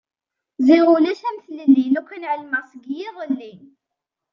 Ziɣ ulac am tlelli... lukan ɛelmeɣ seg yiḍelli!